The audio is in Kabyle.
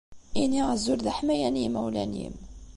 Ini azul d aḥmayan i yimawlan-im.